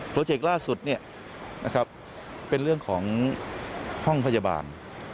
เจกต์ล่าสุดเป็นเรื่องของห้องพยาบาล